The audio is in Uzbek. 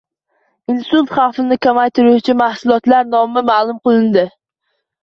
Insult xavfini kamaytiruvchi mahsulotlar nomi ma’lum qilindi